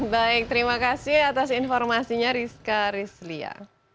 baik terima kasih atas informasinya rizka rizlia